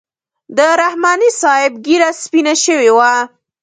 د رحماني صاحب ږیره سپینه شوې وه.